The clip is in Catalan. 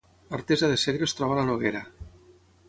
Artesa de Segre es troba a la Noguera